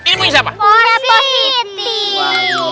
ini punya siapa